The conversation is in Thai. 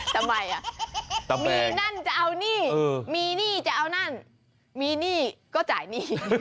ทำไมมีนั่นจะเอาหนี้มีหนี้จะเอานั่นมีหนี้ก็จ่ายหนี้